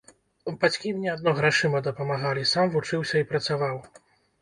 Бацькі мне адно грашыма дапамагалі, сам вучыўся і працаваў.